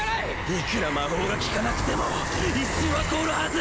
いくら魔法が効かなくても一瞬は凍るはず！